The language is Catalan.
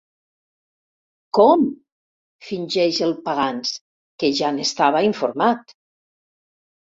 Com? —fingeix el Pagans, que ja n'estava informat.